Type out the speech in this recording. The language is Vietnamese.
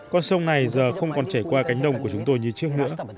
con sông này giờ không còn chảy qua cánh đồng của chúng tôi như trước nữa